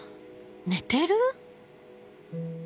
寝てる？